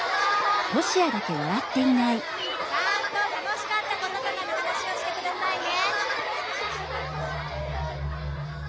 ちゃんと楽しかったこととかの話をしてくださいね！